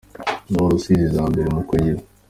naho Rusizi iza imbere mu kugira.